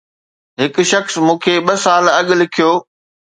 هڪ شخص مون کي ٻه سال اڳ لکيو